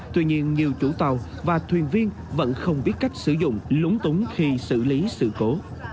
tuy nhiên nhiều chủ tàu và thuyền viên vẫn không biết cách sử dụng lúng túng khi xử lý sự cố